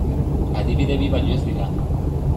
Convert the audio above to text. Adibide bi baino ez dira.